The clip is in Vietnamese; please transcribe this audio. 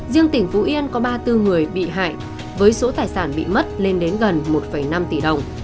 riêng tỉnh phú yên có ba mươi bốn người bị hại với số tài sản bị mất lên đến gần một năm tỷ đồng